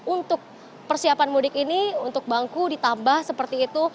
untuk persiapan mudik ini untuk bangku ditambah seperti itu